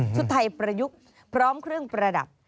ชุดไทยประยุกต์พร้อมเครื่องประดับ